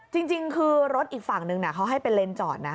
จริงคือรถอีกฝั่งนึงเขาให้เป็นเลนส์จอดนะ